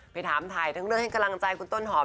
ไปถามถ่ายทั้งเรื่องให้กำลังใจคุณต้นหอม